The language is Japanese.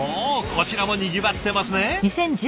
こちらもにぎわってますね。